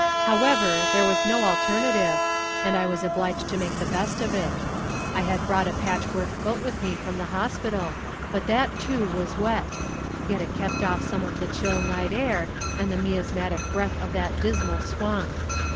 However, there was no alternative, and I was obliged to make the best of it. I had brought a patch work quilt with me from the hospital, but that, too, was wet. Yet it kept off some of the chill night air, and the miasmatic breath of that "dismal swamp."